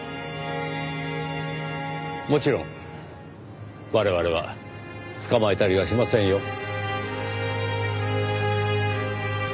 もちろん我々は捕まえたりはしませんよ。